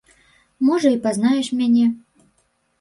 Можа і пазнаеш мяне.